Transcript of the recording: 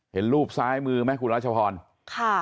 เห็นรูปซ้ายมือไหมคุณรัชพรค่ะ